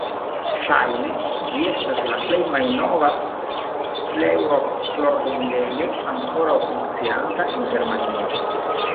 Ŝajne ĝi estas la plej malnova "Fleurop"-florvendejo ankoraŭ funkcianta en Germanio.